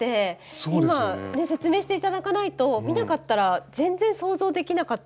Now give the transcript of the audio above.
今ね説明して頂かないと見なかったら全然想像できなかったです。